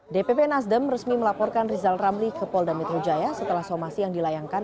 dpp nasdem resmi melaporkan rizal ramli ke polda metro jaya setelah somasi yang dilayangkan